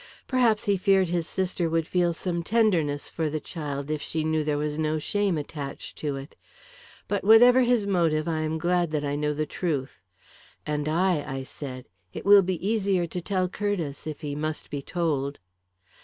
Perhaps he feared his sister would feel some tenderness for the child if she knew there was no shame attached to it. But whatever his motive, I am glad that I know the truth." "And I," I said. "It will be easier to tell Curtiss if he must be told."